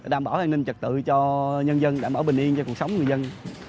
đảm bảo an ninh trật tự cho nhân dân đảm bảo bình yên cho cuộc sống người dân